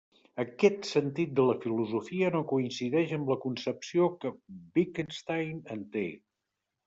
Aquest sentit de la filosofia no coincideix amb la concepció que Wittgenstein en té.